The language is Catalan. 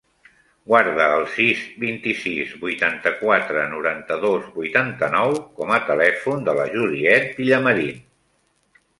Guarda el sis, vint-i-sis, vuitanta-quatre, noranta-dos, vuitanta-nou com a telèfon de la Juliette Villamarin.